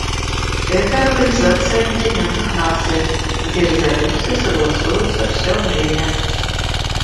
Это — Организация Объединенных Наций, где резолюции согласуются все время.